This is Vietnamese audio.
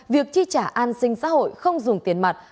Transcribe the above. việc chi trả an sinh xã hội không dùng tiền mặt